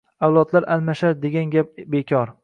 «Avlodlar almashar!» degan gap bekor